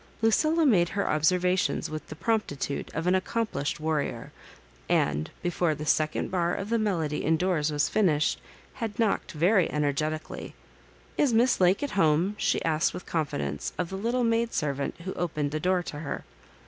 Lucilla made her observations with the promptitude of an accomplished warrior, and, before the second bar of the melody in doors was finished, had knocked very energeti cally. " Is Miss Lake at home?" she asked with confidence of the little maid servant who opened the door to her.